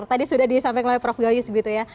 tadi sudah disampaikan oleh prof goyus gitu ya